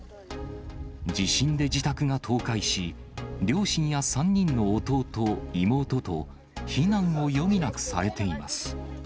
地震で自宅が倒壊し、両親や３人の弟、妹と避難を余儀なくされています。